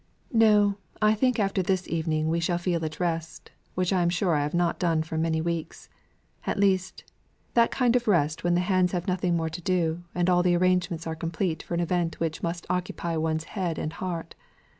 "No. I think after this evening we shall feel at rest, which I am sure I have not done for many weeks; at least, that kind of rest when the hands have nothing more to do, and all the arrangements are complete for an event which must occupy one's head and heart.